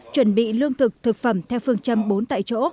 chuẩn bị lương thực thực phẩm theo phương châm bốn tại chỗ